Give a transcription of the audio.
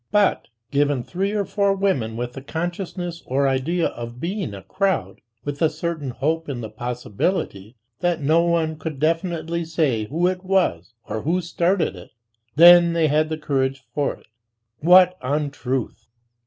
But given three or four women with the consciousness or idea of being a crowd, with a certain hope in the possibility that no one could definitely say who it was or who started it: then they had the courage for it; what untruth!